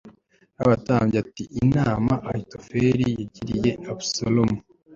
b abatambyi ati Inama Ahitofeli yagiriye Abusalomu